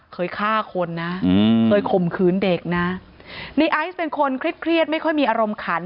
เคยฆ่าคนนะเคยข่มขืนเด็กนะในไอซ์เป็นคนเครียดไม่ค่อยมีอารมณ์ขัน